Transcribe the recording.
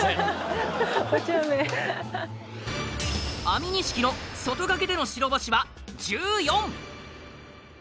安美錦の外掛けでの白星は１４。